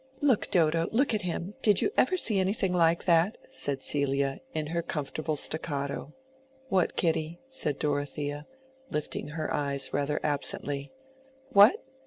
"Look, Dodo! look at him! Did you ever see anything like that?" said Celia, in her comfortable staccato. "What, Kitty?" said Dorothea, lifting her eyes rather absently. "What?